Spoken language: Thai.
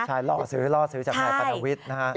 ใช่รอดซื้อรอดซื้อจากนายปัณณวิทย์นะครับ